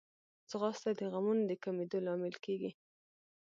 ځغاسته د غمونو د کمېدو لامل کېږي